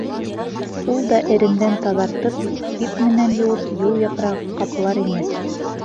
Ул да эрендән таҙартып, спирт менән йыуып, юл япрағы ҡаплар ине.